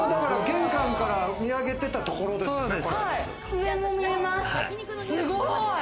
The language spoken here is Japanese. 玄関から見上げてたところですね。